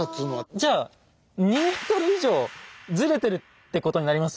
じゃあ２ｍ以上ずれてるってことになります？